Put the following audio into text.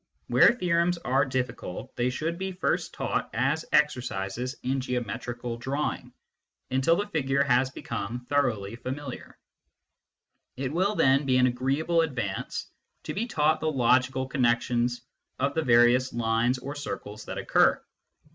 Where theorems are difficult, they should be first taught as exercises in geometrical drawing, until the figure has become thoroughly familiar ; it will then be an agreeable advance to be taught the logical connections of the various lines or circles that occur.